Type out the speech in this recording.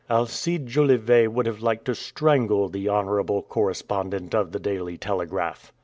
'" Alcide Jolivet would have liked to strangle the honorable correspondent of the Daily Telegraph.